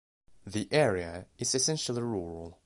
The area is essentially rural.